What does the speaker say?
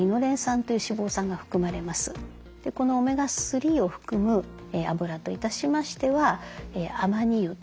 このオメガ３を含むあぶらといたしましてはあまに油とかえ